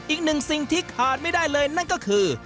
อีกหนึ่งสิ่งที่ขาดไม่ได้เลยนั่นก็คือ